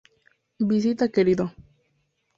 Visita querido.